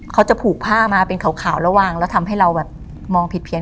เขาจะผูกผ้ามาเป็นขาวแล้ววางแล้วทำให้เราแบบมองผิดเพี้ยน